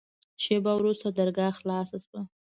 شېبه وروسته درګاه خلاصه سوه.